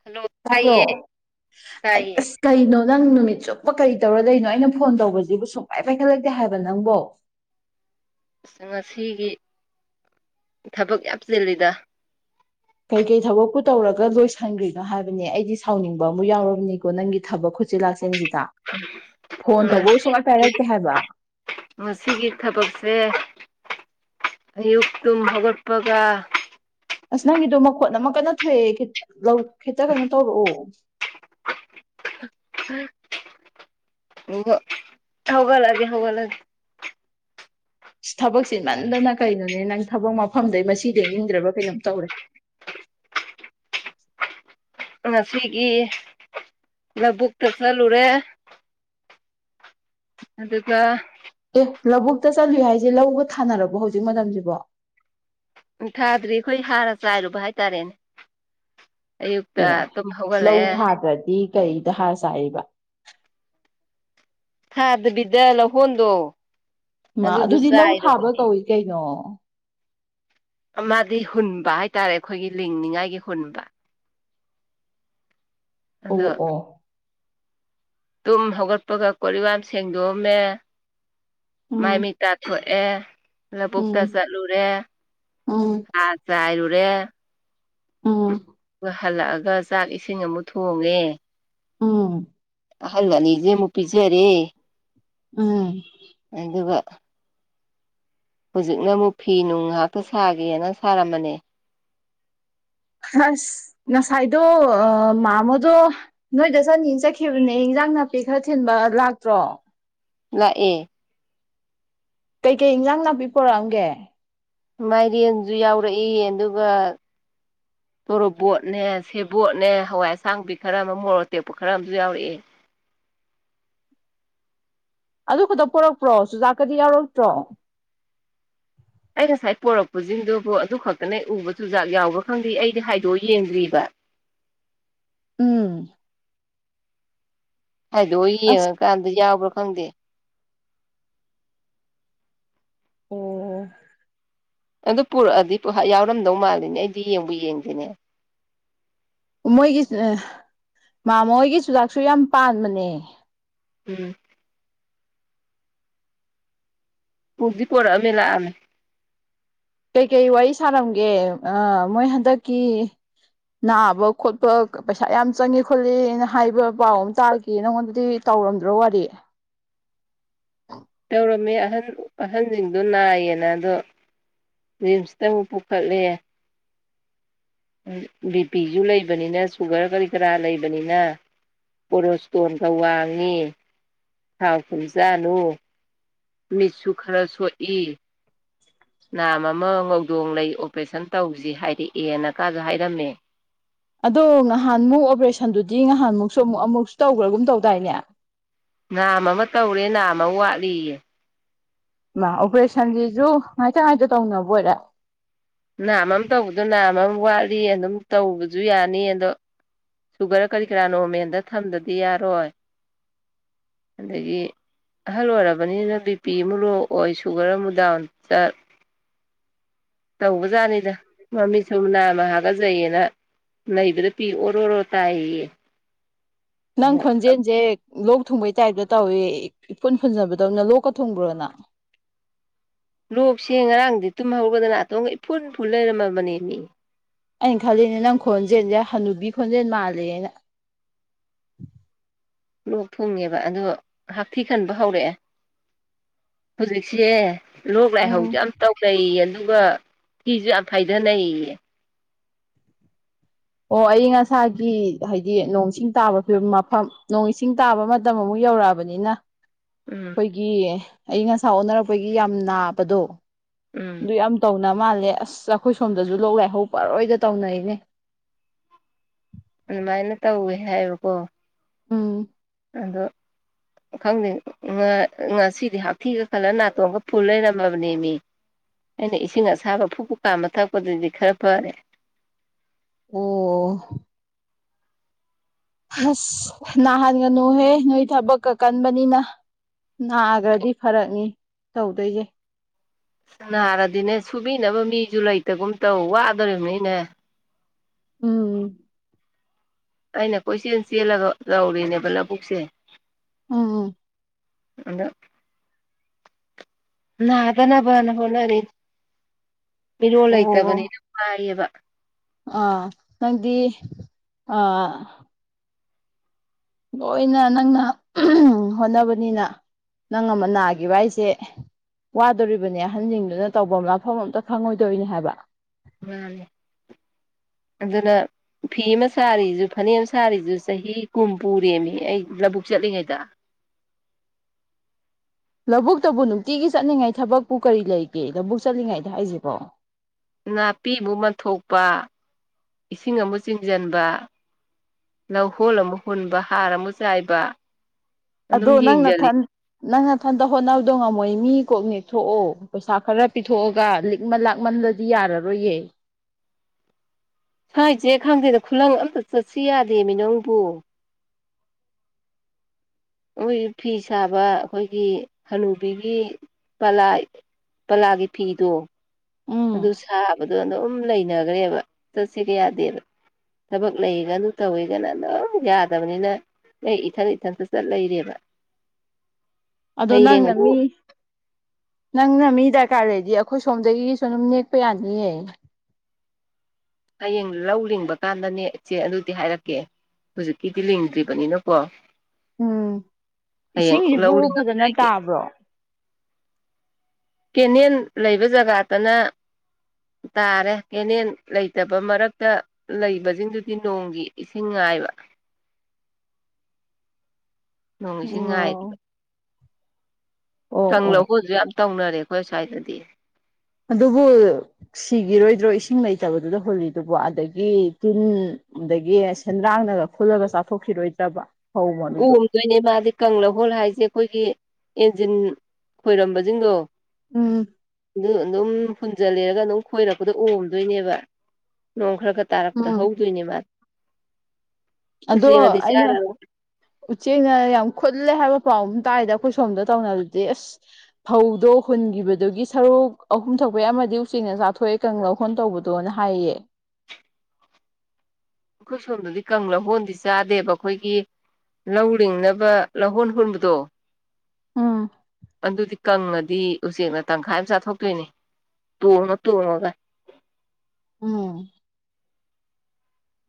[unintelligible] ꯇꯥꯕ꯭ꯔꯣ ꯇꯥꯏꯌꯦ ꯀꯩꯅꯣ ꯅꯪ ꯅꯨꯃꯤꯠ ꯆꯨꯞꯄ ꯀꯔꯤ ꯇꯧꯔꯗꯅꯣ ꯑꯩꯅ ꯐꯣꯟ ꯇꯧꯕꯁꯤꯕꯨ ꯁꯨꯡꯃꯥꯏꯅ ꯄꯥꯏꯈꯠꯂꯛꯇꯦ ꯍꯥꯏꯕ ꯅꯪꯕꯣ ꯑꯁ ꯉꯁꯤꯒꯤ ꯊꯕꯛ ꯌꯥꯝ ꯆꯤꯜꯂꯤꯗ ꯀꯩ ꯀꯩ ꯊꯕꯛꯄꯨ ꯇꯧꯔꯒ ꯂꯣꯏꯁꯤꯟꯈ꯭ꯔꯤꯅꯣ ꯍꯥꯏꯕꯅꯦ ꯑꯩꯗꯤ ꯁꯥꯎꯅꯤꯡꯕ ꯑꯃꯨꯛ ꯌꯥꯎꯔꯕꯅꯤꯀꯣ ꯅꯪꯒꯤ ꯊꯕꯛ ꯎꯆ ꯎꯆꯤ ꯂꯥꯛꯆꯦꯟꯁꯤꯗ ꯐꯣꯟ ꯇꯧꯕ ꯁꯨꯡꯂꯥꯏ ꯄꯥꯏꯔꯛꯀꯦ ꯍꯥꯏꯕ ꯃꯁꯤꯁꯤꯒꯤ ꯊꯕꯛꯁꯦ ꯑꯌꯨꯛ ꯇꯨꯝ ꯍꯧꯒꯠꯄꯒ ꯑꯁ ꯅꯪꯒꯤꯗꯣ ꯃꯈꯣꯠ ꯑꯃ ꯀꯟꯅ ꯊꯣꯛꯑꯦ ꯈꯤꯇ ꯀꯩꯅꯣ ꯇꯧꯔꯛꯑꯣ ꯑꯣ ꯍꯧꯒ ꯂꯒꯦ ꯍꯧꯒ ꯂꯒꯦ ꯊꯕꯛꯁꯦꯃꯟꯗꯅ ꯀꯩꯅꯣꯅꯦ ꯅꯪ ꯊꯕꯛ ꯃꯐꯝꯗꯩ ꯃꯁꯤ ꯂꯦꯡꯅꯤꯡꯗ꯭ꯔꯕ ꯀꯩꯅꯣꯝ ꯇꯧꯔꯦ ꯉꯁꯤꯒꯤ ꯂꯧꯕꯛꯇ ꯆꯠꯂꯨꯔꯦ ꯑꯗꯨꯗ ꯑꯦ ꯂꯧꯕꯨꯛꯇ ꯆꯠꯂꯤꯨ ꯍꯥꯏꯁꯦ ꯂꯧꯒ ꯊꯥꯅꯔꯕꯣ ꯍꯧꯖꯤꯛ ꯃꯇꯝꯁꯤꯕꯣ ꯎ ꯊꯥꯗ꯭ꯔꯤ ꯑꯩꯈꯣꯏ ꯍꯥꯔ ꯆꯥꯏꯔꯨꯕ ꯍꯥꯏꯇꯥꯔꯦꯅꯦ ꯑꯌꯨꯛꯇ ꯑꯦ ꯇꯨꯝ ꯂꯧ ꯍꯧꯒꯠꯂꯛꯑꯦ ꯊꯥꯗ꯭ꯔꯗꯤ ꯀꯩꯗ ꯍꯥꯔ ꯆꯥꯏꯕ ꯊꯥꯗꯕꯤꯗ ꯂ ꯍꯣꯟꯗꯣ ꯃꯥ ꯑꯗꯨꯗꯤ ꯂꯧ ꯊꯥꯕ ꯀꯧꯏ ꯀꯩꯅꯣ ꯃꯥꯗꯤ ꯍꯨꯟꯕ ꯍꯥꯏꯇꯥꯔꯦ ꯑꯩꯈꯣꯏꯒꯤ ꯂꯤꯡꯅꯤꯉꯥꯏꯒꯤ ꯍꯨꯟꯕ ꯑꯣ ꯑꯗꯣ ꯑꯣ ꯇꯨꯝ ꯍꯧꯒꯠꯄꯒ ꯀꯣꯂꯤꯋꯥꯢꯔꯝ ꯁꯦꯡꯗꯣꯛꯑꯝꯃꯦ ꯃꯥꯏ ꯎꯝ ꯃꯤꯠ ꯇꯥꯊꯣꯛꯑꯦ ꯑꯦ ꯂꯕꯨꯨꯛꯇ ꯎꯝ ꯆꯠꯂꯨꯔꯦ ꯎꯝ ꯍꯥ ꯆꯥꯏꯔꯨꯔꯦ ꯎꯝ ꯑꯗꯨꯒ ꯍꯜꯂꯛꯑꯒ ꯆꯥꯛ ꯏꯁꯤꯡ ꯑꯃꯨꯛ ꯊꯣꯡꯉꯦ ꯎꯝ ꯑꯍꯜ ꯑꯅꯤꯖꯤꯃꯨꯛ ꯄꯤꯖꯔꯦ ꯎꯝ ꯑꯗꯨꯒ ꯍꯧꯖꯤꯛꯅ ꯃꯨ ꯐꯤ ꯅꯨꯡ ꯉꯥꯛꯇ ꯁꯥꯒꯦꯅ ꯁꯥꯔꯝꯕꯅꯦ ꯑꯁ ꯉꯁꯥꯏꯗꯣ ꯑ ꯃꯥꯃꯗꯨ ꯅꯣꯏꯗ ꯆꯅꯤꯅ ꯆꯠꯈꯤꯕꯅꯦ ꯏꯟꯖꯥꯡ ꯅꯥꯄꯤ ꯈꯔ ꯊꯤꯟꯕ ꯂꯥꯛꯇ꯭ꯔꯣ ꯂꯥꯛꯑꯦ ꯀꯩꯀꯩ ꯏꯟꯖꯥꯡ ꯅꯥꯄꯤ ꯄꯣꯔꯛꯑꯝꯒꯦ ꯃꯥꯏꯔꯦꯟꯁꯨ ꯌꯥꯎꯔꯛꯏ ꯑꯗꯨꯒ ꯇꯣꯔꯕꯣꯠꯅꯦ ꯁꯦꯕꯣꯠꯅꯦ ꯍꯋꯥꯏ ꯑꯁꯥꯡꯕꯤ ꯈꯔ ꯑꯃ ꯃꯣꯔꯣꯛ ꯇꯦꯛꯄ ꯈꯔ ꯑꯃꯁꯨ ꯌꯥꯎꯔꯛꯑꯦ ꯑꯗꯨ ꯈꯛꯇ ꯄꯔꯛꯄ꯭ꯔꯣ ꯆꯨꯖꯥꯛꯀꯗꯤ ꯌꯥꯎꯔꯛꯇ꯭ꯔꯣ ꯑꯩ ꯉꯁꯥꯏ ꯄꯣꯔꯛꯄꯁꯤꯡꯗꯨꯕꯨ ꯑꯗꯨ ꯈꯛꯇꯅ ꯎꯕ ꯆꯨꯖꯥꯛ ꯌꯥꯎꯕ꯭ꯔꯥ ꯈꯪꯗꯦ ꯑꯩꯗꯤ ꯍꯥꯏꯗꯣꯛꯑ ꯌꯦꯡꯗ꯭ꯔꯤꯕ ꯎꯝ ꯍꯥꯏꯗꯣ ꯑꯁ ꯌꯦꯡꯉꯀꯥꯟꯗ ꯌꯥꯎꯕ꯭ꯔꯥ ꯈꯪꯗꯦ ꯑꯣ ꯑꯗꯨ ꯄꯨꯔꯛꯑꯗꯤ ꯌꯥꯎꯔꯝꯗꯧ ꯃꯥꯜꯂꯤꯅꯦ ꯑꯩꯗꯤ ꯌꯦꯡꯕꯨ ꯌꯦꯡꯗꯦꯅꯦ ꯃꯣꯏꯒꯤ ꯃꯥ ꯃꯣꯏꯒꯤ ꯆꯨꯖꯥꯛꯁꯨ ꯌꯥꯝ ꯄꯥꯟꯕꯅꯦ ꯎꯝ ꯄꯨꯗꯤ ꯄꯨꯔꯛꯑꯝꯃꯦ ꯂꯥꯛꯑꯝꯃꯦ ꯀꯩ ꯀꯩ ꯋꯥꯔꯤ ꯁꯥꯔꯝꯒꯦ ꯃꯣꯏ ꯍꯟꯗꯛꯀꯤ ꯅꯥꯕ ꯈꯣꯠꯄ ꯄꯩꯁꯥ ꯌꯥꯝ ꯆꯪꯉ ꯈꯣꯠꯂꯤꯅ ꯍꯥꯏꯕ ꯄꯥꯎ ꯑꯃ ꯇꯥꯒꯦ ꯑꯦ ꯅꯉꯣꯟꯗꯗꯤ ꯇꯧꯔꯝꯗ꯭ꯔꯣ ꯋꯥꯔꯤ ꯇꯧꯔꯝꯃꯦ ꯑꯍꯟ ꯑꯍꯟꯁꯤꯡꯗꯨ ꯅꯥꯏꯌꯦꯅ ꯑꯗꯣ ꯔꯤꯝꯁꯇ ꯑꯃꯨꯛ ꯄꯨꯈꯠꯂꯦ ꯕꯤꯄꯤꯁꯨ ꯂꯩꯕꯅꯤꯅ ꯁꯨꯒꯔ ꯀꯔꯤ ꯀꯔꯥ ꯂꯩꯕꯅꯤꯅ ꯄꯣꯔꯣꯁꯇꯣꯟꯒ ꯋꯥꯡꯉꯤ ꯊꯥꯎ ꯊꯨꯝ ꯆꯥꯅꯨ ꯃꯤꯠꯁꯨ ꯈꯔ ꯁꯣꯛꯏ ꯅꯥꯝꯃ ꯑꯃ ꯉꯧꯗꯣꯡ ꯂꯩ ꯑꯣꯄꯔꯦꯁꯟ ꯇꯧꯖꯦ ꯍꯥꯏꯔꯛꯑꯦ ꯀꯥꯏꯖꯨ ꯍꯥꯏꯔꯝꯃꯦ ꯑꯗꯣ ꯅꯍꯥꯟꯃꯨꯛ ꯑꯣꯄꯔꯦꯁꯟꯗꯨꯗꯤ ꯅꯍꯥꯟꯃꯨꯛꯁꯨ ꯑꯃꯨꯛ ꯑꯃꯨꯛꯁꯨ ꯇꯧꯈ꯭ꯔꯥꯒꯨꯝ ꯇꯧꯗꯥꯏꯅꯦ ꯅꯥꯝꯃ ꯑꯃ ꯇꯧꯔꯦ ꯅꯥꯝꯃ ꯑꯃ ꯋꯥꯠꯂꯤꯌꯦ ꯑꯣꯄꯔꯦꯁꯟꯁꯤꯁꯨ ꯉꯥꯏꯇ ꯉꯥꯏꯇ ꯇꯧꯅꯕ ꯑꯣꯏꯔꯦ ꯅꯥꯝ ꯑꯃ ꯇꯧꯕꯗꯣ ꯅꯥꯝ ꯑꯃ ꯋꯥꯠꯂꯤ ꯑꯗꯨꯝ ꯇꯧꯕꯁꯨ ꯌꯥꯅꯤ ꯑꯗꯣ ꯁꯨꯒꯔ ꯀꯔꯤ ꯀꯔꯥ ꯅꯣꯔꯃꯦꯜꯗ ꯊꯝꯗꯗꯤ ꯌꯥꯔꯣꯏ ꯑꯗꯒꯤ ꯑꯍꯜ ꯑꯣꯏꯔꯕꯅꯤꯅ ꯕꯤ ꯄꯤ ꯑꯃꯨꯛ ꯂꯣꯛꯑꯣꯏ ꯁꯨꯒꯔ ꯑꯃꯨ ꯗꯥꯎꯟ ꯆꯠ ꯇꯧꯕꯖꯥꯅꯤꯗ ꯃꯃꯤꯠꯁꯨ ꯅꯥꯝꯃ ꯍꯥꯏꯒꯖꯩꯌꯦꯅ ꯂꯩꯕꯗ ꯄꯤ ꯑꯣꯏꯔꯣ ꯑꯣꯏꯔꯣ ꯇꯥꯢꯌꯦꯌꯦ ꯅꯪ ꯈꯣꯟꯖꯦꯟꯖꯦꯛ ꯂꯣꯛ ꯊꯨꯡꯕꯩ ꯇꯥꯏꯞꯇ ꯇꯧꯏ ꯏꯐꯨꯟ ꯐꯨꯟꯖꯕꯗꯧꯅ ꯂꯣꯛꯀ ꯊꯨꯡꯕ꯭ꯔꯣ ꯅꯪ ꯂꯣꯛꯁꯦ ꯉꯔꯥꯡꯗꯤ ꯇꯨꯝꯍꯧꯕꯗ ꯅꯇꯣꯟꯒ ꯏꯐꯨꯟꯐꯨꯟ ꯂꯩꯔꯝꯃꯕꯅꯦ ꯃꯦ ꯑꯩꯅ ꯈꯜꯂꯤꯅꯦ ꯅꯪ ꯈꯣꯟꯖꯦꯜꯁꯦ ꯍꯅꯨꯕꯤ ꯈꯣꯟꯖꯦꯜ ꯃꯥꯂꯦꯅ ꯂꯣꯛ ꯊꯨꯡꯉꯦꯕ ꯑꯗꯣ ꯍꯥꯊꯤ ꯈꯟꯕ ꯍꯧꯔꯛꯑꯦ ꯍꯧꯖꯤꯛꯁꯦ ꯂꯣꯛ ꯎꯝ ꯂꯥꯏꯍꯧꯁꯨ ꯌꯥꯝ ꯇꯧꯅꯩꯌꯦ ꯑꯗꯨꯒ ꯊꯤꯁꯨ ꯌꯥꯝ ꯐꯥꯏꯊꯩꯅꯩꯌꯦ ꯑꯣ ꯑꯌꯪ ꯑꯁꯥꯒꯤ ꯍꯥꯏꯗꯤ ꯅꯣꯡ ꯁꯤꯡ ꯇꯥꯕꯤꯕ ꯃꯐꯝ ꯅꯣꯡ ꯏꯁꯤꯡ ꯇꯥꯕ ꯃꯇꯝ ꯑꯃꯨꯛ ꯌꯧꯔꯛꯑꯕꯅꯤꯅ ꯎꯝ ꯑꯩꯒꯤ ꯑꯌꯪ ꯑꯁꯥ ꯑꯣꯟꯅꯔꯛꯄꯒꯤ ꯌꯥꯝ ꯅꯥꯕꯗꯣ ꯎꯝ ꯑꯗꯨ ꯌꯥꯝ ꯇꯧꯅ ꯃꯥꯜꯂꯦ ꯑꯁ ꯑꯩꯈꯣꯏ ꯁꯣꯝꯗꯁꯨ ꯂꯣꯛ ꯂꯥꯏꯍꯧꯕ ꯄꯔꯣꯏꯗ ꯇꯧꯅꯩꯅꯦ ꯑꯗꯨꯃꯥꯏꯅ ꯇꯧꯋꯦ ꯍꯥꯏꯌꯦꯕꯀꯣ ꯎꯝ ꯑꯗꯣ ꯈꯪꯗꯦ ꯉꯥ ꯉꯁꯤꯗꯤ ꯍꯥꯊꯤꯒ ꯈꯜꯂ ꯅꯥꯇꯣꯡꯒ ꯐꯨꯜ ꯂꯩꯔꯝꯃꯕꯅꯦ ꯃꯤ ꯑꯩꯅ ꯏꯁꯤꯡ ꯑꯁꯥꯕ ꯐꯨ ꯐꯨ ꯀꯥꯝꯃ ꯊꯛꯄꯗꯒꯤꯗꯤ ꯈꯔ ꯐꯔꯦ ꯑꯣ ꯑꯁ ꯅꯍꯥꯟꯒꯅꯨꯍꯦ ꯅꯣꯏ ꯊꯕꯛꯀ ꯀꯟꯕꯅꯤꯅ ꯅꯥꯒ꯭ꯔꯗꯤ ꯐꯔꯛꯅꯤ ꯇꯧꯗꯣꯏꯁꯦ ꯑꯁ ꯅꯥꯔꯗꯤꯅꯦ ꯁꯨꯕꯤꯅꯕ ꯃꯤꯁꯨ ꯂꯩꯇꯧꯒꯨꯝ ꯇꯧ ꯋꯥꯗꯣꯔꯤꯕꯅꯤꯅꯦ ꯎꯝ ꯑꯩꯅ ꯀꯣꯏꯆꯦꯜ ꯆꯦꯜꯂꯒ ꯇꯧꯔꯤꯅꯦꯕ ꯂꯧꯕꯨꯛꯁꯦ ꯎꯝ ꯑꯗꯣ ꯅꯥꯗꯅꯕꯅ ꯍꯣꯠꯅꯔꯤꯅꯤ ꯃꯤꯔꯣꯜ ꯑꯣ ꯂꯩꯇꯕꯅꯤꯅ ꯋꯥꯥꯏꯌꯦꯕ ꯑꯥ ꯅꯪꯗꯤ ꯑꯥ ꯂꯣꯏꯅ ꯅꯪꯅ ꯍꯣꯠꯅꯕꯅꯤꯅ ꯅꯪ ꯑꯃ ꯅꯥꯒꯤꯕ ꯍꯥꯏꯁꯦ ꯋꯥꯗꯣꯔꯤꯕꯅꯦ ꯑꯍꯟꯁꯤꯡꯗꯨꯅ ꯇꯧꯕ ꯂꯥꯛꯐꯝ ꯑꯃꯇ ꯈꯪꯉꯣꯏꯗꯣꯏꯅꯦ ꯍꯥꯏꯕ ꯃꯅꯦ ꯑꯗꯨꯅ ꯐꯤ ꯑꯃ ꯁꯥꯔꯤꯖꯄ ꯐꯅꯦꯛ ꯑꯃ ꯁꯥꯔꯤꯖꯨ ꯆꯍꯤ ꯀꯨꯨꯝ ꯄꯨꯔꯦꯃꯦ ꯑꯩ ꯂꯧꯕꯨꯛ ꯆꯠꯂꯤꯉꯩꯗ ꯂꯧꯕꯨꯛꯇꯕꯨ ꯅꯨꯡꯇꯤꯒꯤ ꯆꯠꯅꯤꯡꯉꯥꯏ ꯊꯕꯛꯄꯨ ꯀꯔꯤ ꯂꯩꯒꯦ ꯂꯧꯕꯨꯛ ꯆꯠꯂꯤꯉꯥꯏꯗ ꯍꯥꯏꯖꯤꯕꯣ ꯅꯥꯄꯤꯃꯨꯛ ꯃꯟꯊꯣꯛꯄ ꯏꯁꯤꯡ ꯑꯃꯨ ꯆꯤꯡꯁꯤꯟꯕ ꯂꯧꯍꯣꯜ ꯑꯃꯨꯛ ꯍꯨꯟꯕ ꯍꯥꯔ ꯑꯃ ꯆꯥꯏꯕ ꯑꯗꯨꯝ ꯑꯗꯣ ꯅꯪ ꯅꯊꯟ ꯌꯦꯡꯖꯜꯂꯤꯅꯦ ꯅꯪꯅꯊꯟꯇ ꯍꯣꯠꯅꯕꯗꯣ ꯉꯝꯃꯣꯏ ꯃꯤ ꯀꯣꯛꯅꯦꯛ ꯊꯣꯛꯑꯣ ꯄꯩꯁꯥ ꯈꯔ ꯄꯤꯊꯣꯛꯑꯒ ꯂꯤꯛꯃꯟ ꯂꯥꯛꯃꯜꯂ ꯌꯥꯔꯔꯣꯏꯌꯦ ꯁꯥꯏꯖꯦ ꯈꯪꯗꯦꯗ ꯈꯨꯂꯪ ꯑꯝꯇ ꯆꯠꯁꯤ ꯌꯥꯗꯦ ꯃꯤ ꯅꯪꯕꯨ ꯃꯣꯏꯒꯤ ꯐꯤ ꯁꯥꯕ ꯑꯩꯈꯣꯏꯒꯤ ꯍꯅꯨꯕꯤꯒꯤ ꯄꯂꯥ ꯄꯜꯂꯥꯒꯤ ꯐꯤꯗꯣ ꯎꯝ ꯑꯗꯨ ꯁꯥꯕꯗꯣ ꯑꯗꯨꯝ ꯂꯩꯅꯈ꯭ꯔꯦꯕ ꯆꯠꯁꯦꯒ ꯌꯥꯗꯦꯕ ꯊꯕꯛ ꯂꯩꯒ ꯑꯗꯨ ꯇꯧꯋꯤꯒꯅ ꯑꯗꯨꯝ ꯌꯥꯗꯕꯅꯤꯅ ꯑꯩ ꯏꯊꯟ ꯏꯊꯟꯇ ꯆꯠ ꯂꯩꯔꯦꯕ ꯑꯗꯣ ꯅꯪ ꯍꯌꯦꯡ ꯑꯗꯨ ꯃꯤ ꯅꯪꯅ ꯃꯤ ꯗꯔꯀꯥꯔ ꯂꯩꯗꯤ ꯑꯩꯈꯣꯏ ꯁꯣꯝꯗꯒꯤꯁꯨ ꯑꯗꯨꯝ ꯅꯦꯛꯄ ꯌꯥꯅꯤꯌꯦ ꯍꯌꯦꯡ ꯂꯧ ꯂꯤꯡꯕ ꯀꯥꯟꯗꯅꯦ ꯏꯆꯦ ꯑꯗꯨꯗꯤ ꯍꯥꯏꯔꯛꯀꯦ ꯍꯧꯖꯤꯛꯀꯤꯗꯤ ꯂꯤꯡꯗ꯭ꯔꯤꯕꯅꯤꯅꯀꯣ ꯎꯝ ꯍꯌꯦꯡ ꯏꯁꯤꯡꯁꯤꯕꯨ ꯂꯧ ꯐꯖꯅ ꯂꯤꯉꯝꯗꯥꯏꯒꯤ ꯇꯥꯕ꯭ꯔꯣ ꯀꯦꯅꯦꯜ ꯂꯩꯕ ꯖꯒꯥꯗꯅ ꯇꯥꯔꯦ ꯀꯦꯅꯦꯟ ꯂꯩꯇꯕ ꯃꯔꯛꯇ ꯂꯩꯕꯖꯤꯡꯗꯨꯗꯤ ꯅꯣꯡꯒꯤ ꯏꯁꯤꯡ ꯉꯥꯏꯕ ꯅꯣꯡ ꯏꯁꯤꯡ ꯉꯥꯏꯔꯤꯕ ꯑꯣ ꯑꯣ ꯑꯣ ꯀꯪꯂꯧꯍꯣꯜꯁꯨ ꯌꯥꯝ ꯇꯧꯅꯔꯦ ꯑꯩꯈꯣꯏ ꯁ꯭ꯋꯥꯏꯗꯗꯤ ꯑꯗꯨꯕꯨ ꯁꯤꯈꯤꯔꯣꯏꯗ꯭ꯔꯣ ꯏꯁꯤꯡ ꯂꯩꯇꯕꯗꯨꯗ ꯍꯨꯜꯂꯤꯗꯨꯕ ꯑꯗꯒꯤ ꯇꯤꯟ ꯑꯗꯒꯤ ꯁꯦꯟꯗ꯭ꯔꯥꯡꯅꯒ ꯈꯨꯜꯂꯒ ꯆꯥꯊꯣꯛꯈꯤꯔꯣꯏꯗ꯭ꯔꯕ ꯐꯧ ꯃꯔꯨꯗꯣ ꯍꯣꯏꯅꯦ ꯃꯥꯗꯤ ꯀꯪꯂꯧꯍꯣꯜ ꯍꯥꯏꯁꯦ ꯑꯩꯈꯣꯏꯒꯤ ꯏꯟꯖꯤꯟ ꯈꯣꯏꯔꯝꯕꯁꯤꯡꯗꯣ ꯎꯝ ꯑꯗꯨ ꯑꯗꯨꯝ ꯍꯨꯟꯖꯜꯂꯦꯔꯒ ꯑꯗꯨꯝ ꯈꯣꯏꯔꯛꯄꯗ ꯑꯣꯝꯗꯣꯏꯅꯦꯕ ꯅꯣꯡ ꯈꯔ ꯈꯠ ꯇꯥꯔꯄꯗ ꯎꯝ ꯍꯧꯗꯣꯏꯅꯦ ꯃꯥ ꯑꯗꯣ ꯎꯆꯦꯛꯅꯗꯤ ꯑꯩꯅ ꯆꯥꯔꯔꯣꯏ ꯎꯆꯦꯛꯅ ꯌꯥꯝ ꯈꯨꯟꯂꯦ ꯍꯥꯏꯕ ꯄꯥꯎ ꯑꯃ ꯇꯥꯏꯗ ꯑꯩꯈꯣꯏ ꯁꯣꯝꯗ ꯇꯧꯅꯕꯗꯤ ꯑꯁ ꯐꯧꯗꯣ ꯍꯨꯟꯒꯤꯕꯗꯨꯒꯤ ꯁꯔꯨꯛ ꯑꯍꯨꯝ ꯊꯣꯛꯄꯩ ꯑꯃ ꯗꯤ ꯎꯆꯦꯛꯅ ꯆꯥꯊꯣꯛꯏ ꯀꯪꯂꯧꯍꯣꯟ ꯇꯧꯕꯗꯣꯅ ꯍꯥꯏꯌꯦ ꯑꯩꯈꯣꯏ ꯁꯣꯝꯗꯨꯗꯤ ꯀꯪꯂꯧꯍꯣꯟꯗꯤ ꯆꯥꯗꯦꯕ ꯑꯩꯈꯣꯏꯒꯤ ꯂꯧ ꯂꯤꯡꯅꯕ ꯂꯧꯍꯣꯟ ꯍꯨꯟꯕꯗꯣ ꯑꯝ ꯑꯗꯨꯗꯤ ꯀꯪꯉꯗꯤ ꯎꯆꯦꯛꯅ ꯇꯪꯈꯥꯏ ꯑꯃ ꯆꯥꯊꯣꯛꯇꯣꯏꯅꯦ ꯇꯣꯡꯉ ꯇꯣꯡꯉꯒ ꯎꯝ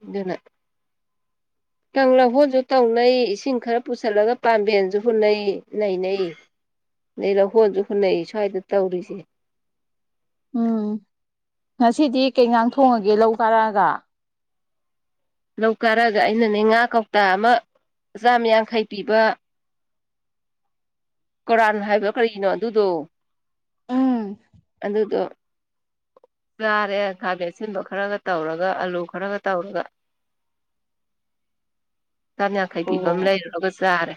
ꯑꯗꯨꯅ ꯀꯪꯂꯧꯍꯣꯜꯁꯨ ꯇꯧꯅꯩ ꯏꯁꯤꯡ ꯈꯔ ꯄꯨꯁꯜꯂꯒ ꯄꯥꯝꯕꯦꯟꯁꯨ ꯍꯨꯅꯩ ꯂꯩꯩꯅꯩ ꯂꯧꯍꯣꯟꯁꯨ ꯑꯗꯩ ꯍꯣꯟꯟꯅꯩ ꯁ꯭ꯋꯥꯏꯗ ꯇꯧꯔꯤꯁꯦ ꯎꯝ ꯉꯁꯤꯗꯤ ꯀꯩꯖꯥꯡ ꯊꯣꯡꯉꯒꯦ ꯂꯧ ꯀꯥꯔꯛꯑꯒ ꯂꯧ ꯀꯥꯔꯛꯑꯒ ꯑꯩꯅꯅꯦ ꯉꯥ ꯀꯧꯇꯥ ꯑꯃ ꯆꯥꯝ ꯌꯥꯡꯈꯩ ꯄꯤꯕ ꯀꯣꯔꯥꯟ ꯍꯥꯏꯕ꯭ꯔꯥ ꯀꯔꯤꯅꯣ ꯑꯗꯨꯗꯣ ꯎꯝ ꯑꯗꯨꯗꯣ ꯆꯥꯔꯦ ꯈꯥꯃꯦꯟ ꯑꯁꯤꯟꯕ ꯈꯔꯒ ꯇꯧꯔꯒ ꯑꯂꯨ ꯈꯔꯒ ꯇꯧꯔꯒ ꯆꯥꯝ ꯌꯥꯡꯈꯩ ꯄꯤꯕ ꯑꯣ ꯑꯃ ꯂꯩꯔꯨꯔꯒ ꯆꯥꯔꯦ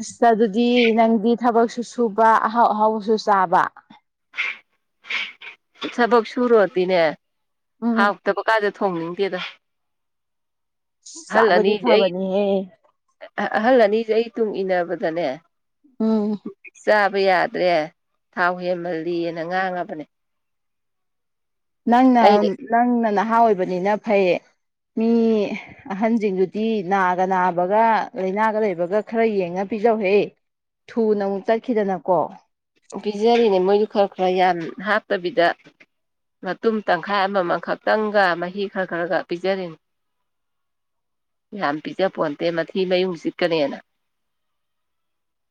ꯑꯁ ꯑꯗꯨꯗꯤ ꯅꯪꯗꯤ ꯊꯕꯛꯁꯨ ꯁꯨꯕ ꯑꯍꯥꯎ ꯑꯍꯥꯎꯕꯁꯨ ꯆꯥꯕ ꯊꯕꯛ ꯁꯨꯔꯣꯗꯤꯅꯦ ꯎꯝ ꯍꯥꯎꯇꯕ ꯀꯥꯖꯦ ꯊꯣꯡꯅꯤꯡꯗꯦꯗ ꯆꯥꯕꯗꯤ ꯐꯕꯅꯤꯍꯦ ꯑ ꯑꯍꯜ ꯑꯅꯤꯁꯦ ꯑꯩ ꯇꯨꯡ ꯏꯟꯅꯅꯕꯗꯅꯦ ꯎꯝ ꯆꯥꯕ ꯌꯥꯗ꯭ꯔꯦ ꯊꯥꯎ ꯍꯦꯟꯃꯜꯂꯤꯅ ꯉꯥꯡꯉꯕꯅꯦ ꯅꯪꯅ ꯑꯩꯅ ꯅꯪꯅ ꯅꯍꯥ ꯑꯣꯏꯕꯅꯤꯅ ꯐꯩ ꯃꯤ ꯑꯍꯟꯁꯤꯡꯗꯨꯗꯤ ꯅꯥꯒ ꯅꯥꯕꯒ ꯂꯥꯏꯅꯥꯒ ꯂꯩꯕꯒ ꯈꯔ ꯌꯦꯡꯉ ꯄꯤꯖꯧꯍꯦ ꯊꯨꯅ ꯑꯃꯨꯛ ꯇꯠꯈꯤꯗꯅꯀꯣ ꯄꯤꯖꯔꯤꯅꯦ ꯃꯣꯏꯗꯨ ꯈꯔ ꯈꯔ ꯌꯥꯝ ꯍꯥꯞꯇꯕꯤꯗ ꯃꯇꯨꯡꯨꯝ ꯇꯪꯈꯥꯏ ꯑꯃꯃꯝ ꯈꯛꯇꯪꯒ ꯃꯍꯤ ꯈꯔ ꯈꯔꯒ ꯄꯤꯖꯔꯤꯅꯤ ꯌꯥꯝ ꯄꯤꯖꯄꯣꯟꯇꯦ ꯃꯊꯤ ꯃꯌꯨꯡ ꯆꯤꯠꯀꯅꯦꯅ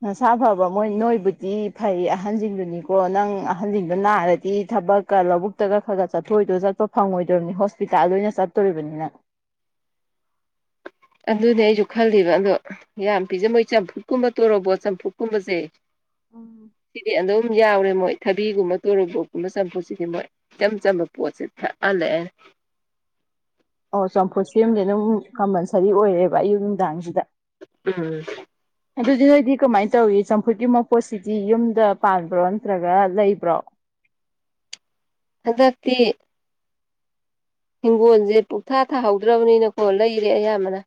ꯅꯁꯥ ꯐꯕ ꯃꯣꯏ ꯅꯣꯏꯕꯨꯗꯤ ꯐꯩ ꯑꯍꯟꯁꯤꯡꯗꯨꯅꯤꯀꯣ ꯅꯪ ꯑꯍꯟꯁꯤꯡꯗꯣ ꯅꯥꯔꯗꯤ ꯊꯕꯛ ꯈ ꯂꯧꯕꯨꯛꯇꯒ ꯈꯔ ꯈꯔ ꯆꯠꯊꯣꯏꯗꯣ ꯆꯠꯄ ꯐꯪꯉꯣꯏꯗꯕꯅꯤ ꯍꯣꯁꯄꯤꯇꯥꯜ ꯑꯣꯏꯅ ꯆꯠꯇꯣꯔꯤꯕꯅꯤꯅ ꯑꯗꯨꯅꯦ ꯑꯩꯁꯨ ꯈꯜꯂꯤꯕ ꯑꯗꯣ ꯌꯥꯝ ꯄꯤꯖ ꯃꯣꯏ ꯆꯝꯐꯨꯠꯀꯨꯝꯕ ꯇꯣꯔꯣꯕꯣꯠ ꯆꯝꯐꯨꯠ ꯀꯨꯝꯕꯁꯦ ꯎꯝ ꯁꯤꯗꯤ ꯑꯗꯨꯝ ꯌꯥꯎꯔꯦ ꯃꯣꯏ ꯊꯕꯤꯒꯨꯝꯕ ꯇꯣꯔꯣꯕꯣꯠꯀꯨꯝꯕ ꯆꯝꯐꯨꯠꯁꯤꯗꯤ ꯃꯣꯏ ꯏꯆꯝ ꯆꯝꯕ ꯄꯣꯠꯁꯦ ꯊꯛꯍꯜꯂꯦ ꯑꯩꯅ ꯑꯣ ꯆꯝꯐꯨꯠ ꯁꯤꯝꯗꯤ ꯑꯗꯨꯝ ꯀꯝꯄꯜꯁ꯭ꯔꯤ ꯑꯣꯏꯔꯦꯕ ꯑꯌꯨꯛ ꯅꯨꯡꯗꯥꯡꯁꯤꯗ ꯎꯝ ꯑꯗꯨꯗꯤ ꯅꯣꯏꯗꯤ ꯀꯃꯥꯏꯅ ꯇꯧꯏ ꯆꯝꯐꯨꯠꯀꯤ ꯃꯄꯣꯠꯁꯤꯗꯤ ꯌꯨꯝꯗ ꯄꯥꯟꯕ꯭ꯔꯣ ꯅꯠꯇ꯭ꯔꯒ ꯂꯩꯕ꯭ꯔꯣ ꯍꯟꯗꯛꯇꯤ ꯍꯤꯡꯒꯣꯜꯁꯦ ꯄꯨꯡꯊꯥ ꯊꯥꯍꯧꯗ꯭ꯔꯕꯅꯤꯅꯀꯣ ꯂꯩꯔꯦ ꯑꯌꯥꯝꯕꯅ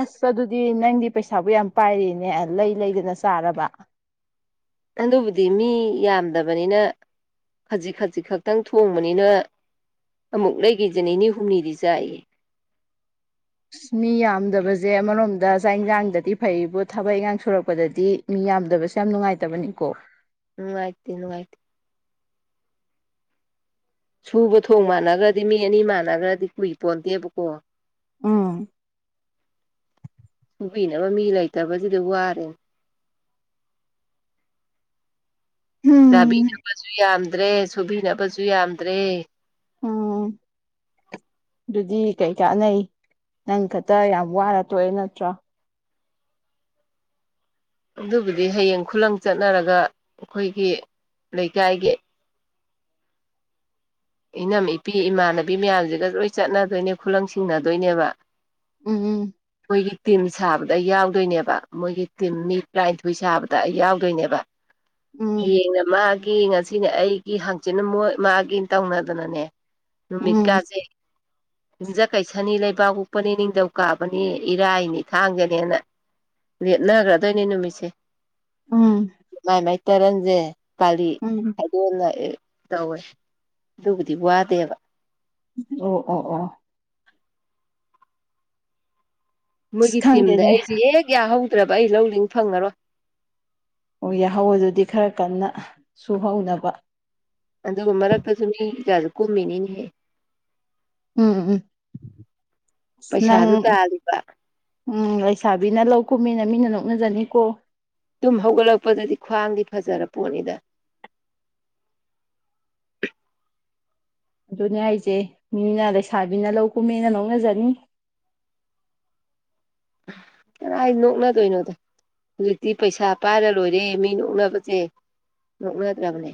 ꯑꯁ ꯑꯗꯨꯗꯤ ꯅꯪꯗꯤ ꯄꯩꯁꯥꯕꯨ ꯌꯥꯝ ꯄꯥꯏꯔꯤꯅꯦ ꯂꯩ ꯂꯩꯗꯅ ꯆꯥꯔꯕ ꯑꯗꯨꯕꯨꯗꯤ ꯃꯤ ꯌꯥꯝꯗꯕꯅꯤꯅ ꯈꯖꯤꯛ ꯈꯖꯤꯛ ꯈꯛꯇꯪ ꯊꯣꯡꯕꯅꯤꯅ ꯑꯃꯨꯛ ꯂꯩꯈꯤꯁ ꯅꯤꯅꯤ ꯍꯨꯝꯅꯤꯗꯤ ꯆꯥꯏꯌꯦ ꯃꯤ ꯌꯥꯝꯗꯕꯁꯦ ꯑꯃꯔꯣꯝꯗ ꯆꯥꯛ ꯌꯦꯟꯁꯥꯡꯗꯗꯤ ꯐꯩꯕꯨ ꯊꯕꯛ ꯏꯟꯈꯥꯡ ꯁꯨꯔꯛꯄꯗꯗꯤ ꯃꯤ ꯌꯥꯝꯗꯕꯁꯦ ꯌꯥꯝ ꯅꯨꯡꯉꯥꯏꯇꯕꯅꯤꯀꯣ ꯅꯨꯡꯉꯥꯏꯇꯦ ꯅꯨꯡꯉꯥꯏꯇꯦ ꯁꯨꯕ ꯊꯣꯡ ꯃꯥꯟꯅꯈ꯭ꯔꯗꯤ ꯃꯤ ꯑꯅꯤ ꯃꯥꯟꯅꯈ꯭ꯔꯗꯤ ꯀꯨꯏꯄꯣꯟꯇꯦꯕꯀꯣ ꯎꯝ ꯍꯨꯕꯤꯅꯕ ꯃꯤ ꯂꯩꯇꯕꯁꯤꯗꯤ ꯋꯥꯔꯦꯅꯦ ꯎꯝ ꯆꯥꯕꯤꯅꯕꯁꯨ ꯌꯥꯝꯗ꯭ꯔꯦ ꯁꯨꯕꯤꯅꯕꯁꯨ ꯌꯥꯝꯗ꯭ꯔꯦ ꯎꯝ [inaudible] ꯑꯗꯨꯗꯤ ꯀꯩ ꯀꯥꯟꯅꯩ ꯅꯪ ꯈꯛꯇ ꯌꯥꯝ ꯋꯥꯅ ꯇꯣꯛꯑꯦ ꯅꯠꯇ꯭ꯔꯣ ꯑꯗꯨꯕꯨꯗꯤ ꯍꯌꯦꯡ ꯈꯨꯂꯪ ꯆꯠꯅꯔꯒ ꯑꯩꯈꯣꯏꯒꯤ ꯂꯩꯀꯥꯏꯒꯤ ꯏꯅꯝ ꯏꯄꯤ ꯏꯃꯥꯟꯅꯕꯤ ꯃꯌꯥꯝꯁꯤꯒ ꯂꯣꯏ ꯆꯠꯅꯗꯣꯏꯅꯦ ꯈꯨꯂꯪ ꯁꯤꯡꯅꯗꯣꯏꯅꯦꯕ ꯎꯝ [inaudible] ꯃꯣꯏꯒꯤ ꯇꯤꯝ ꯁꯥꯕꯗ ꯑꯩ ꯌꯥꯎꯗꯣꯏꯅꯦꯕ ꯃꯣꯏꯒꯤ ꯇꯤꯝ ꯃꯤ ꯇꯔꯥꯅꯤꯊꯣꯏ ꯁꯥꯕꯗ ꯑꯩ ꯌꯥꯎꯗꯣꯏꯅꯦꯕ ꯎꯝ ꯍꯌꯦꯡꯅ ꯃꯥꯒꯤ ꯉꯁꯤꯅꯦ ꯑꯩꯒꯤ ꯍꯥꯡꯆꯤ ꯃꯣꯏ ꯃꯥꯒꯤ ꯇꯧꯅꯗꯅꯅꯦ ꯎꯝ ꯅꯨꯃꯤꯠꯀꯥꯁꯦ ꯌꯨꯨꯝꯖ ꯀꯩꯁꯥꯅꯤ ꯂꯩꯕꯥꯛ ꯄꯣꯛꯄꯅꯤ ꯅꯤꯡꯊꯧ ꯀꯥꯕꯅꯤ ꯏꯔꯥꯏꯅꯤ ꯊꯥꯡꯖꯅꯦꯅ ꯂꯦꯠꯅꯈ꯭ꯔꯗꯣꯏꯅꯦ ꯅꯨꯃꯤꯠꯁꯦ ꯎꯝ ꯃꯥꯏ ꯃꯥꯏ ꯇꯔꯟꯁꯦ ꯄꯥꯂꯤ ꯎꯝ ꯍꯥꯏꯗꯣꯟꯅ ꯇꯧꯋꯦ ꯑꯗꯨꯕꯨꯗꯤ ꯋꯥꯗꯦꯕ ꯑꯣ ꯑꯣ ꯑꯣ ꯑꯁ ꯃꯣꯏꯒꯤ ꯇꯤꯝꯗ ꯈꯪꯗꯦꯅꯦ ꯑꯩꯁꯦ ꯍꯦꯛ ꯌꯥꯍꯧꯗ꯭ꯔꯕ ꯑꯩ ꯂꯧꯗꯤꯡ ꯐꯪꯉꯔꯣꯏ ꯑꯣ ꯌꯥꯍꯧ ꯑꯗꯨꯗꯤ ꯈꯔ ꯀꯟꯅ ꯁꯨꯍꯧꯅꯕ ꯑꯗꯨꯒ ꯃꯔꯛꯇꯁꯨ ꯃꯤ ꯀꯌꯥꯁꯨ ꯀꯨꯝꯃꯤꯅꯤꯅꯤꯍꯦ ꯎꯝ ꯎꯝ ꯅꯪ ꯄꯩꯁꯥꯁꯨ ꯇꯥꯜꯂꯤꯕ ꯎꯝ ꯂꯩꯁꯥꯕꯤꯅ ꯂꯧ ꯀꯨꯝꯃꯤꯅ ꯃꯤꯅ ꯅꯣꯛꯅꯖꯅꯤꯀꯣ ꯑꯗꯨꯨꯝ ꯍꯧꯒꯠꯂꯛꯄꯗꯗꯤ ꯈ꯭ꯋꯥꯡꯗꯤ ꯐꯖꯔ ꯄꯣꯠꯅꯤꯗ ꯑꯗꯨꯅꯦ ꯑꯩꯁꯦ ꯃꯤꯅ ꯂꯩꯁꯥꯕꯤꯅ ꯂꯧ ꯀꯨꯝꯃꯦꯅ ꯅꯣꯛꯅꯖꯅꯤ ꯀꯅꯥꯥꯏ ꯅꯣꯛꯅꯗꯣꯏꯅꯣꯗ ꯍꯧꯖꯤꯛꯇꯤ ꯄꯩꯁꯥ ꯄꯥꯏꯔ ꯂꯣꯏꯔꯦ ꯃꯤ ꯅꯣꯛꯅꯕꯁꯦ ꯅꯣꯛꯅꯗ꯭ꯔꯕꯅꯦ